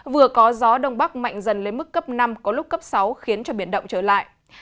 vừa có gió đông bắc mạnh dần lên mức cấp năm có lúc cấp sáu khiến cho biển động trở lại